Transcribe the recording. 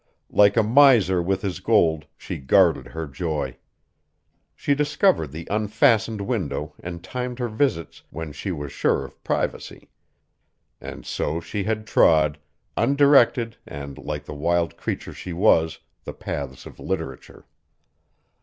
Like a miser with his gold, she guarded her joy. She discovered the unfastened window and timed her visits when she was sure of privacy; and so she had trod, undirected and like the wild creature she was, the paths of literature.